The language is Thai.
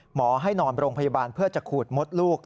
หมอให้นอนโรงพยาบาลเพื่อจะขูดมดลูก